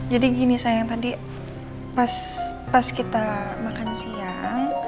jadi gini sayang tadi pas kita makan siang